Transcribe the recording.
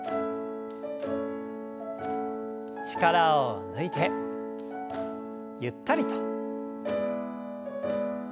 力を抜いてゆったりと。